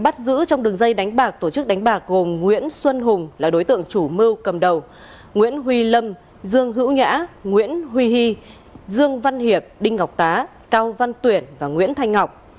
bắt giữ trong đường dây đánh bạc tổ chức đánh bạc gồm nguyễn xuân hùng là đối tượng chủ mưu cầm đầu nguyễn huy lâm dương hữu nhã nguyễn huy hy dương văn hiệp đinh ngọc tá cao văn tuyển và nguyễn thanh ngọc